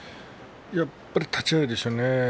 やっぱり立ち合いでしょうね。